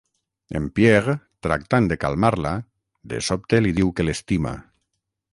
En Pierre, tractant de calmar-la, de sobte li diu que l'estima.